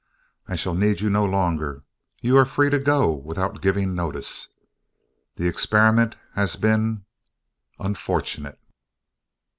I shall need you no longer. You are free to go without giving notice. The experiment has been unfortunate."